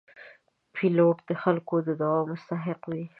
پیلوټ د خلکو د دعاو مستحق وي.